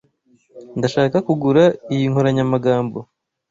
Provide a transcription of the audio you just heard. Ndashaka kugura iyi nkoranyamagambo.